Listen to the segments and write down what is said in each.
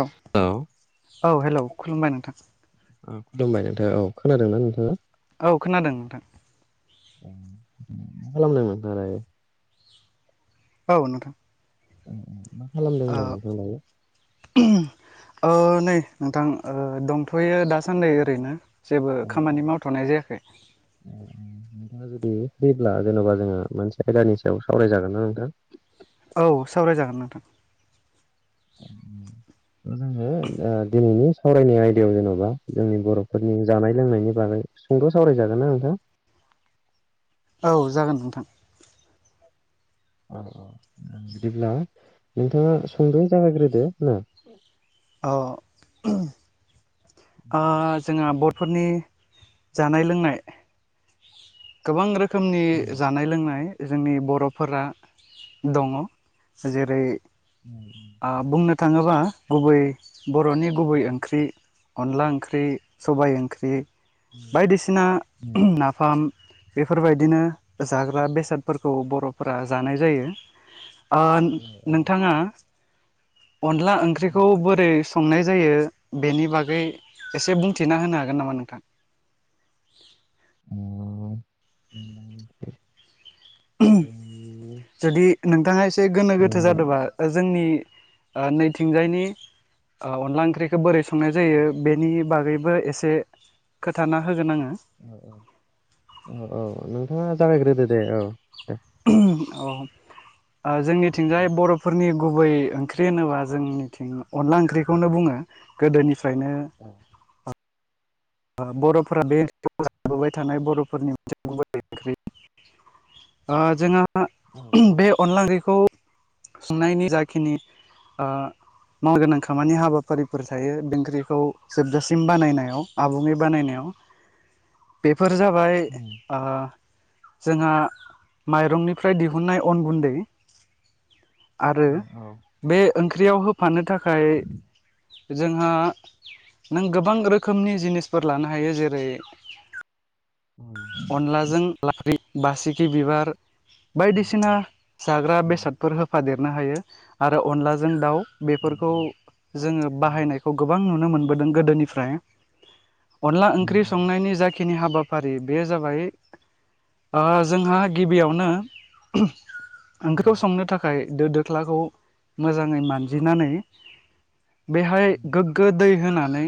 औ औ हेलौ खुलुमबाय नोंथां। ओं खुलुमबाय नोंथां औ खोनादों ना नोंथाङा? औ खोनादों नोंथां। ओं [unintelligible] [inaudible] उम मा खालामदों ओ होनदों नोंथां दायो? ओ नै नोंथां ओ दंथ'यो दासान्दै ओरैनो। जेबो औ औ खामानि मावथ'नाय जायाखै औ औ नोंथाङा जुदि फैब्ला जेन'बा जोङो मोनसे आयदानि सायाव सावराय जागोन ना नोंथां? औ सावराय जागोन नोंथां। ओम जोङो ओ दिनैनि सावरायनाय आयदायाव जेन'बा जोंनि बर'फोरनि जानाय लोंनायनि बागै सुंद' सावराय जागोनना नोंथां? औ जागोन नोंथां। औ औ ओम बिदिब्ला नोंथाङा सुद'यै जागायग्रोदो ना। अ। ओ जोंहा बर फोरनि जानाय लोंनाय गोबां रो खोमनि औ जानाय लोंनाय जोंनि बर'फोरा दङ जेरै उम उम। ओ बुंनो थाङोबा गुबै बर'नि गुबै ओंख्रि अनला ओंख्रि, सबाय ओंख्रि बायदिसिना नाफाम बेफोर बायदिनो जाग्रा बेसादफोरखौ बर'फोरा जानाय जायो। आ औ नोंथाङा अनला ओंख्रिखौ बोरै संनाय जायो बेनि बागै एसे बुंथिना होनो हागोन नामा नोंथां? उम उम जुदि नोंथाङा एसे गोनो गोथो जादोंबा जोंनि ओ नैथिंजायनि ओ अनला ओंख्रिखो बोरै संनाय जायो बेनि बागैबो एसे खोथाना होगोन आङो। ओ ओ ओ औ नोंथाङा जागायग्रोदो दे औ दे। औ औ औ जोंनिथिंजाय बर'फोरनि गुबै ओंख्रि होनोबा जोंनिथिं अनला ओंख्रिखौनो बुङो गोदोनि फ्रायनो औ ओ बर'फोरा बे ओंख्रिरि जाबोबाय थानाय बर'फोरनि मोनसे गुबै ओंख्रि। अ जोंहा औ औ औ बे अनला ओंख्रिखौ संनायनि जाखिनि ओ मावगोनां खामानि हाबाफारिफोर थायो बे ओंख्रिखौ जोबजासिम बानायनायाव। आबुङै बानायनायाव बेफोर जाबाय औ ओ जोंहा माइरंनिफ्राय दिहुननाय अन गुन्दै। आरो बे ओंख्रियाव होफानो थाखाय जोंहा नों गोबां रोखोमनि जिनिसफोर लानो हायो जेरै। अनलाजों लाफ्रि बासिखि बिबार। बायदिसिना जाग्रा बेसादफोर होफादेरनो हायो आरो अनलाजों दाउ। बेफोरखौ जोङो बाहायनायखौ गोबां नुनो मोनबोदों गोदोनिफ्राय। अनला ओंख्रि संनायनि जाख खिनि हाबाफारि बेयो जाबाय ओ जोंहा गिबियावनो ओंख्रिखौ औ संनो थाखाय दो दोख्लाखौ मोजाङै मानजिनानै। बेहाय गोग्गो दै होनानै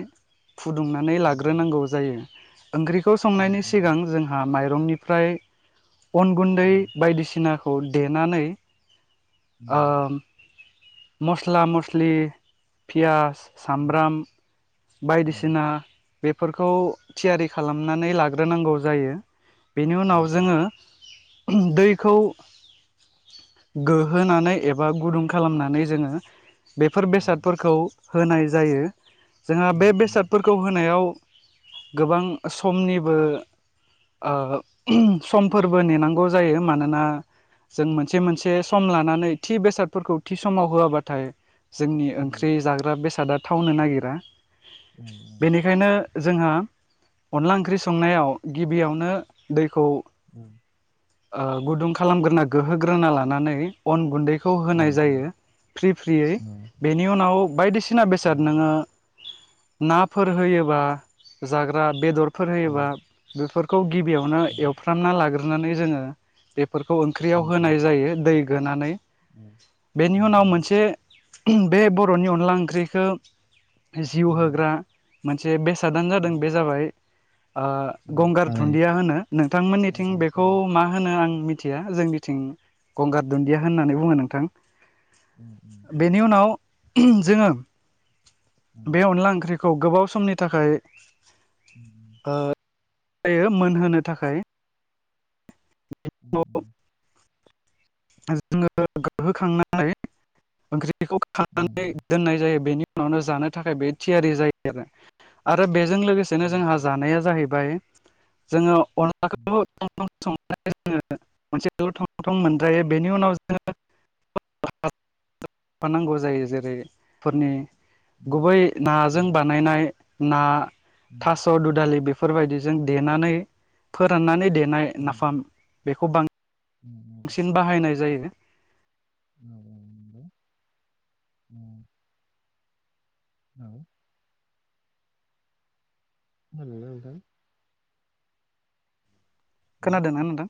फुदुंनानै लाग्रोनांगौ जायो। ओंख्रिखौ औ संनायनि सिगां जोंहा माइरंनिफ्राय अन गुन्दै औ बायदिसिनाख खौ देनानै ओम मस्ला मस्लि पियास सामब्राम बायदिस बेफोरखौ थियारि खालामनानै लाग्रोनांगौ जायो। बेनि उनाव जोङो दैखौ। गोहोनानै एबा गुदुं खालामनानै जोङो। बेफोर बेसादफोरखौ होनाय जायो जोंहा बे बेसाद होनायाव गोबां समनिबो ओ समफोरबो नेनांगौ जायो मानोना। जों मोनसे मोनसे सम लानानै थि बेसादफोरखौ थि समाव होआबाथाय। जोंनि ओंख्रि जाग्रा बेसादा थावनो नागिरा। बेनिखायनो जोंहा। अनला ओंख्रि संनायाव गिबियावनो दैखौ। [inaudible] ओ गुदुं खालामग्रोना गोहोग्रोना लानानै अन गुन्दैखौ ह होनाय जायो फ्रि फ्रियै बेनि उनाव बायदिसि ना बेसाद नोङो नाफोर होयोबा जाग्रा बेदरफोर होयोबा बेफोरखौ गिबियावनो एवफ्रामना लाग्रोनानै जोङो। बेफोरखौ ओंख्रियाव होनाय जायो दै गोनानै। बेनि उनाव मोनसे बे बर'नि अनला ओंख्रिखो जिउ होग ग्रा मोनसे बेसादानो जादों बे जाबाय ओ गंगार दुन्दिया होनो। नोंथांमोननिथिं बेखौ सरि मा होनो आं मिथिया जोंनिथिं गंगार दुन्दिया होननानै ब बुङो नोंथां बेनि उनाव जोङो। बे अनला ओंख्रिखौ गोबाव समनि थाखाय। [inaudible] यो मोनहोनो थाखाय। [inaudible] जोङो गोहोखांनानै ओंख्रिखौ खांनानै दोननाय जायो बेनिफ जानो थाखाय बे थियारि जायो आरो आरो बेज जों लोगोसेनो जोंहा जानाया जाहैबाय जोङो अनलाखौ जोङो मोनसे गो थां थं मोनद्रायो बेनि उनाव जोङो नांगौ जायो जेरै फोरनि गुबै नाजों बानायनाय ना थास' दुदालि बेफोरबायदिज जों देनानै फोराननानै देनाय नाफाम बेखौ बां सि‍न बाहायनाय जायो बे [inaudible] औ। खोनादों ना नोंथां खोनादों ना नोंथां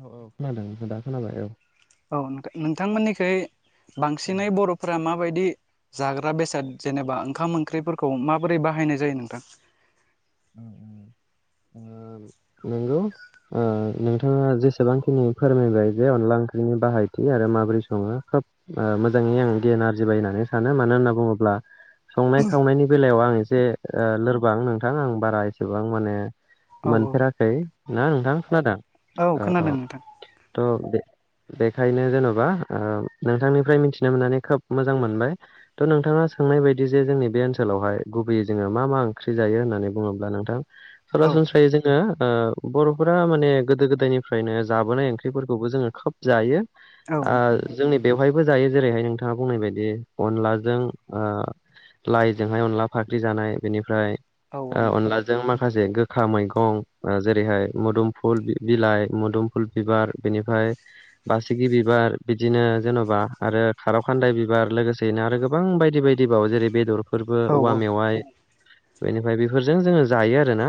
औ औ खोनादों दा खोनाबाय औ औ नोंथांमोननिखै बांसिनै बर'फोरा माबायदि जाग्रा बेसाद जेनेबा ओंखाम ओंख्रिफोरखौ माबोरै बाहायनाय जायो नोंथां ओ ओ जोङो नोंगौ ओ नोंथाङा जेसेबांखिनि फोरमायबाय जे अनला ओंख्रिनि बाहायथि आरो माब्रै सङो खोब मोजाङै आं गियान आरजिबाय होननानै सानो मानो होनना बुङोब्ला संनाय खावनायनि बेलायाव आं एसे ओ लोरबां नोंथां आं बारा एसेबां माने औ मोनफेराखै ना नोंथां खोनादों औ खोनादों नोंथां थ' बे बेखायनो जेन'बा ओ नोंथांनिफ्राय मिथिनो मोननानै खोब मोजां मोनबाय थ' नोंथाङा सोंनाय बायदि जे जोंनि बे ओनसोलावहाय गुबैयै जोङो मा मा ओंख्रि जायो होन्नानै बुङो ब्ला नोंथां औ सरासनस्रायै जोङो ओ बर'फोरा माने गोदो गोदायनिफ्रायनो जाबोनाय ओंख्रिफोरखौबो जोङो खोब जायो औ ओ नोंथां जोंनि बेवहायबो जायो जेरैहाय नोंथाङा बुंनाय बायदि अनलाजों ओ लाइजोंहाय अनला फाख्रि जानाय बेनिफ्राय औ ओ नोंथां अनलाजों मा माखासे गोखा मैगं जेरैहाय मोदुमफुल बिलाइ मोदुमफुल बिबार बेनि फ्राय बासिगि बिबार बिदिनो जेन'बा आरो खार' खान्दाय बिबार लोगोसेयैनो आरो गोबां गोबां बायदि बायदि बाव जेरै बेदरफोरबो औ औवा मेवाइ बेनिफ्राय बे बेफोरजों जोङो जायो आरोना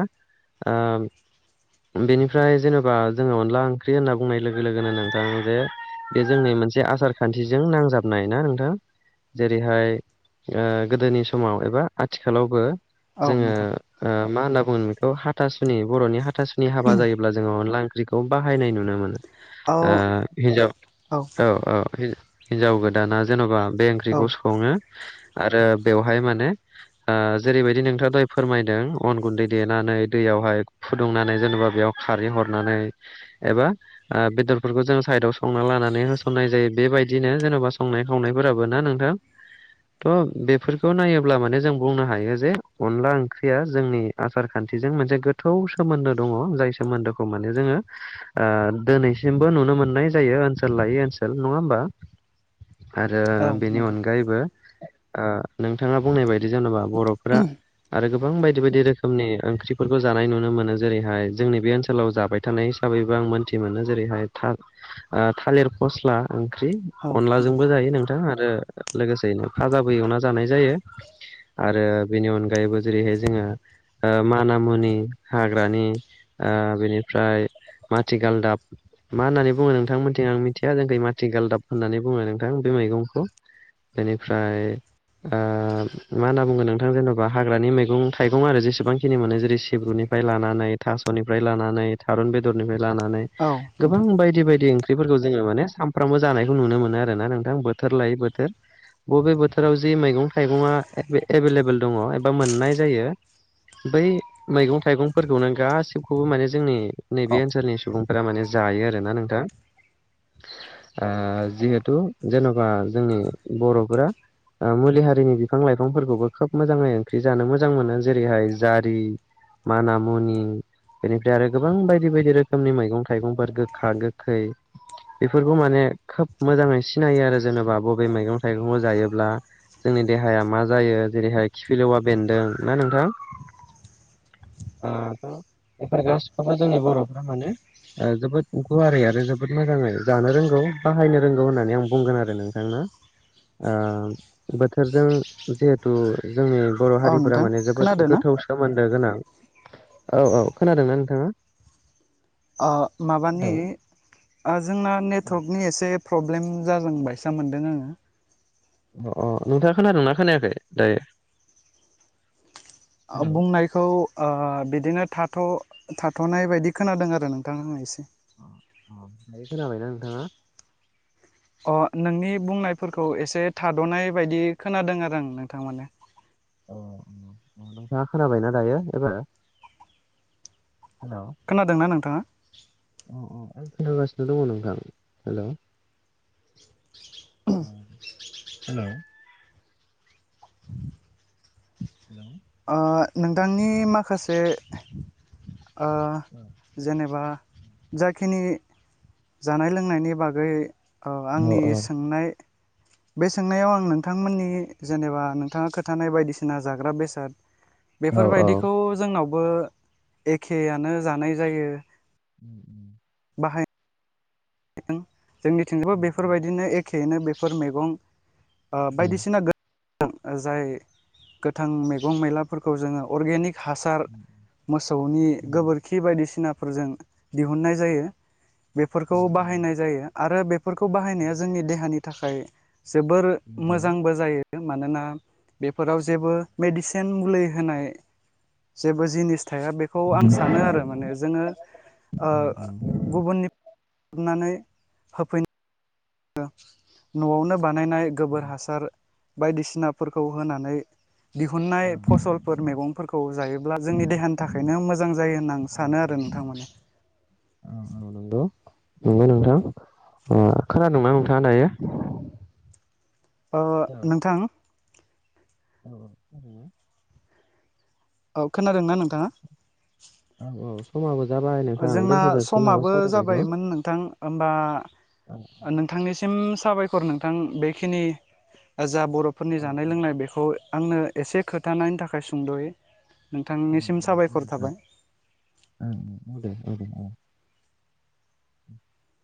ओ बेनिफ्राय जेनेबा जोङो अनला ओंख्रि होनना बुंनाय लोगो लोगोनो नोंथां जे बे जोंनि मोनसे आसार खान्थिजों नांजाबनाय ना नोंथां जेरैहाय ओ गोदोनि समाव एबा आथिखालावबो औ जोङो नोंथां ओ मा होनना बुगोन बेखौ हाथासुनि बर'नि हाथासुनि हाबा जायोब्ला जोङो अनला ओख्रिखौ बाहायनाय नु नुनो मोनो औ ओ हिनजाव औ औ हिजाव गोदाना जेन'बा बे ओंख्रिखौ सङो आरो बेवहाय माने ओ जेरैबायदि नोंथाङा दहाय फो फोरमायदों अन गुन्दै देनानै दैयावहाय फुदुंनानै जेनेबा बेयाव खारै हरनानै एबा ओ बेदरफोरखौ जों साइदाव संना लानानै होसननाय जायो बेबायदिनो जेन'बा संनाय खावनाय फोराबो ना नोंथां थ' बेफोरखौ नायोब्ला माने जों बुंनो हायो जे अनला ओं ख्रिया जोंनि आसार खान्थिजों मोनसे गोथौ सोमोन्दो दङ जाय सोमोन्दोखौ माने जोङो ओ दिनैसिमबो नुनो मोननाय जायो ओनसोल लायै ओनसोल नङा होमबा आरो औ औ बेनि नोंथां अनगायैबो ओ नोंथाङा बुंनाय बाय दि जेनेबा बर'फोरा आरो गोबां बायदि बायदि रोखोमनि ओंख्रिफोरखौ जानाय नुनो मोनो जेरैहाय जोंनि बे ओनसोलाव जाबाय थानाय हिसाबै बो आं मोनथि मोनो जेरैहाय था थालिर फस्ला ओंख्रि औ नोंथां अनलाजोंबो जायो नोंथाङा आरो लोगोसेयैनो फाजाबो एवना जानाय जायो आरो बेनि अनगायैबो जेरैहाय जोङो ओ मानि मुनि हाग्रानि ओ बेनिफ्राय माथि गालदाब मा होननानै बुङो नोंथांमोनथिं आं मिथिया जोंखै माथि गालदाब होननानै बुङो नोंथां बे मैगंखौ बेनिफ्राय ओ मा होनना बुंगोन नोंथां जेन'बा हा ग्रानि मैगं थाइगं आरो जेसेबांखिनि मोनो जेरै सिब्रुनिफ्राय लानानै थास'निफ्राय लानानै थारुन बेदरनिफ्राय लानानै औ गोबां नोंथां बायदि बायदि ओं ख्रिफोरखौ जोङो माने सानफ्रामबो जानायखौ नुनो मोनो आरो ना नोंथां बोथोर लायै बोथोर बबे बोथोराव जि मैगं थाइगंआ एभेलेबेल दङ बा मोननाय जायो बै मैगं थाइगंफोरखौनो गासिबखौबो माने जोंनि नैबे औ ओनसोलनि सुबुंफोरा माने जायो आरोना नोंथां ओ जिहेथु जेन'बा जोंनि बर'फोरा ओ मुलि हारिनि बिफां लाइफांफोरखौबो खोब मोजां ङै ओंख्रि जानो मोजां मोनो जेरैहाय जारि माना मुनि बेनिफ्राय आरो गोबां बायदि बायदि रोखोमनि मैगं थाइगंफोर गोखा गोखै बेफोरखौ माने खोब मोजाङै सिनायो आरो जेनेबा बबे मैगं थाइगंखौ जायोब्ला जोंनि देहाया मा जायो जेरैहाय खिफिलौवा बेन्दों ना नोंथां? ओ बेफोर गासिखौबो जोंनि बर'फ्रा मानो ओ जोबोद गुवारै आरो जोबोद मोजाङै जानो रोंगौ बाहायनो रोंगौ होननानै आं बुंगोन आरो नोंथांना? आ बोथोरजों जिहेथु जोंनि बर' औ हारिफोरा नोंथां माने जोबोद खोनादों ना गोथौ सोमोन्दो गोनां। औ औ खोनादोंना नोंथाङा? ओ माबानि हेलौ जोंना नेटवर्कनि एसे प्रब्लेम जागोन बायसा मोनदों आङो। अ अ नोंथाङा खोनादोंना खोनायाखै दायो? हेलौ बुंनायखौ ओ बिदिनो थार थाथ' थाथ'नाय बायदि खोनादों आरो नोंथां आं एसे। दायो खोनाबायना नोंथाङा? अ नोंनि बुंनायफोरखौ एसे थाद'नाय बायदि खोनादों आरो आं नोंथां माने। औ नोंथाङा खोनाबायना दायो एबारो खोनादोंना नोंथाङा? अ अ आं खोनागासिनो दङ नोंथां हेल'। हेल'। ह ओ नोंथांनि माखासे ओ जेनेबा जाखिनि जानाय लोंनायनि बागै औ आंनि सोंनाय बे सोंनायाव आं नोंथांमोननि जेनेबा नोंथाङा खोथानाय बायदिसिना जाग्रा बेसाद औ बेफोरबायदिखौ जोंनावबो एखेयानो जानाय जायो। [unintelligible] बाहाय जोंनिथिंबो बेफोरबायदिनो एखेयैनो बेफोर मैगं ओ बायदिसिना जाय गोथां मैगं मैलाफोरखौ जोङो अर्गेनिक हासार मोसौनि गोबोरखि बायदिसिना फोरजों दिहुननाय जायो बेफोरखौ बाहायनाय जायो आरो बे बेफोरखौ बाहायनाया जोंनि देहानि थाखाय जोबोर मोजांबो जायो। मानोना बेफोराव जेबो मेडिसिन मुलि होनाय जेबो जिनिस थाया बेखौ आं सानो आरो माने जोङो ओ औ गुबुननि नानै होफैनो न'आवनो बानायनाय गोबोर हासार बायदिसिनाफोरखौ होनानै दिहुननाय फसलफोर मैगंफोरखौ जायोब्ला जोंनि देहानि थाखायनो मोजां जायो होनना आं सानो आरो। नोंथांमोननि औ औ [unintelligible] नंबाय नोंथां ओ खोनादोंं ना नोंथाङा दायो? अ हेल' नोंथां औ औ। औ खोनादों ना नोंथाङा? औ औ समाबो जाबाय नोंथां जोंना दोनथ' जासिगोन नामा समाबो सावरायनायखौ? जाबायमोन नोंथां होमबा औ नोंथांनि साबायखर नोंथां बेखिनि जा बर'फोरनि औ जानाय औ लोंनाय बेखौ आंनो एसे खोथानायनि थाखाय सुंद'यै। औ नोंथांनिसिम दे साबायखर नोंथां। थाबाय। औ औ औ दो औ दे औ। [unintelligible]